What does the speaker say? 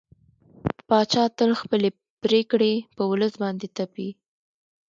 پاچا تل خپلې پرېکړې په ولس باندې تپي.